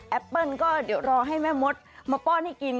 เปิ้ลก็เดี๋ยวรอให้แม่มดมาป้อนให้กิน